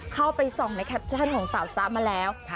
เข้าไปส่องในแคปชั่นของสาวจ๊ะมาแล้ว